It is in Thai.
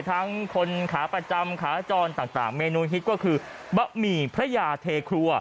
ทั้งคนขาประจำขาจรต่างเมนูฮิตก็คือบะหมี่พระยาเทครัว